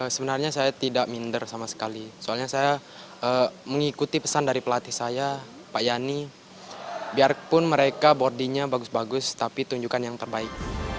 sebenarnya saya tidak minder sama sekali soalnya saya mengikuti pesan dari pelatih saya pak yani biarpun mereka boardingnya bagus bagus tapi tunjukkan yang terbaik